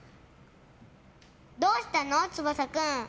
どうしたの、翼君？